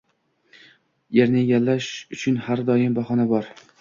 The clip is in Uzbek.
Erni egallash uchun har doim bahona bor